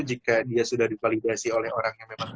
jika dia sudah divalidasi oleh orang yang memang